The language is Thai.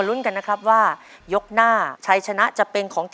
แล้วก็